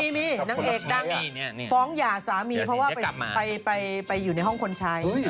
มีนางเอกดังฟ้องหย่าสามีเพราะว่าไปอยู่ในห้องคนใช้